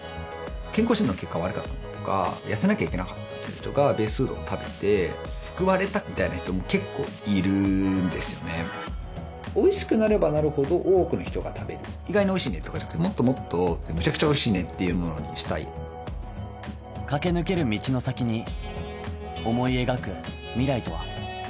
健康診断の結果が悪かったりとか痩せなきゃいけなかったりとかＢＡＳＥＦＯＯＤを食べて救われたみたいな人も結構いるんですよねおいしくなればなるほど多くの人が食べる意外においしいねとかじゃなくてもっともっとめちゃくちゃおいしいねっていうものにしたい駆け抜ける道の先に思い描く未来とは？